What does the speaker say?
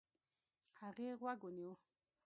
هغې غوږ ونيو.